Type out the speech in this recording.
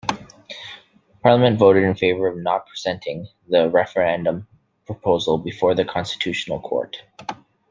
Parliament voted in favour of not presenting the referendum proposal before the Constitutional Court.